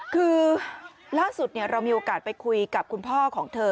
คือล่าสุดเรามีโอกาสไปคุยกับคุณพ่อของเธอ